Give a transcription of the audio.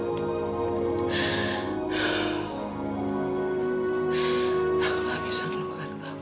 aku gak bisa melupakan kamu